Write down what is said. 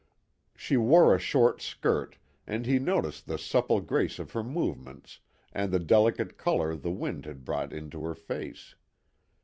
She wore a short skirt, and he noticed the supple grace of her movements and the delicate colour the wind had brought into her face.